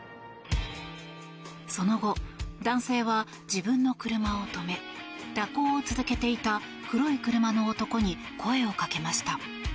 その後、男性は自分の車を止め蛇行を続けていた黒い車の男に声をかけました。